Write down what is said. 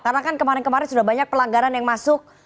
karena kan kemarin kemarin sudah banyak pelanggaran yang masuk